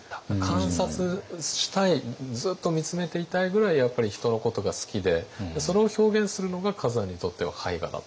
観察したいずっと見つめていたいぐらいやっぱり人のことが好きでそれを表現するのが崋山にとっては絵画だった。